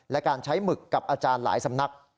และการใช้หมึกกับอาจารย์หลายสำนัก